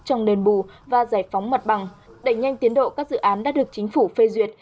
trong đền bù và giải phóng mặt bằng đẩy nhanh tiến độ các dự án đã được chính phủ phê duyệt